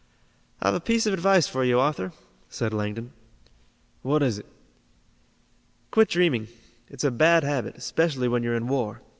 "I've a piece of advice for you, Arthur," said Langdon. "What is it?" "Quit dreaming. It's a bad habit, especially when you're in war.